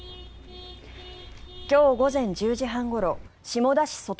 今日午前１０時半ごろ下田市外